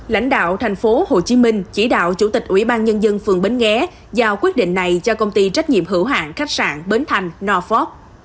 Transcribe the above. lãnh đạo tp hcm chỉ đạo chủ tịch ủy ban nhân dân phường bến nghé giao quyết định này cho công ty trách nhiệm hữu hạng khách sạn bến thành noford